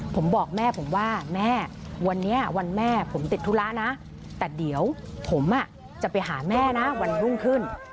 ผมบอกแม่ผมว่าแม่วันนี้วันแม่ผมติดธุระนะแต่เดี๋ยวผมจะไปหาแม่นะวันรุ่งขึ้น